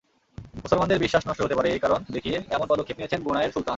মুসলমানদের বিশ্বাস নষ্ট হতে পারে—এই কারণ দেখিয়ে এমন পদক্ষেপ নিয়েছেন ব্রুনাইয়ের সুলতান।